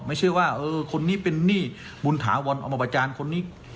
ไม่ใช่ว่าคนนี้เป็นหนี้บุญถาวรอมจารย์คนนี้